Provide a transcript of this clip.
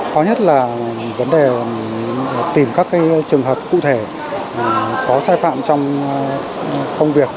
có nhất là vấn đề tìm các trường hợp cụ thể có sai phạm trong công việc